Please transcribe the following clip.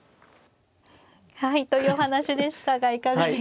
はいというお話でしたがいかがですか。